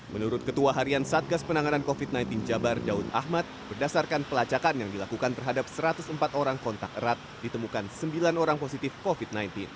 menurut ketua harian satgas penanganan covid sembilan belas jabar daun ahmad berdasarkan pelacakan yang dilakukan terhadap satu ratus empat orang kontak erat ditemukan sembilan orang positif covid sembilan belas